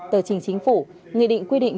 tờ trình chính phủ nghị định quy định